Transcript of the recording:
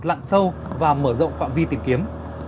lặn sâu và mở rộng phạm vi tìm kiếm